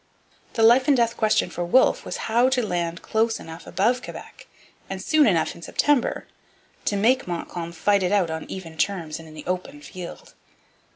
The life and death question for Wolfe was how to land close enough above Quebec and soon enough in September to make Montcalm fight it out on even terms and in the open field.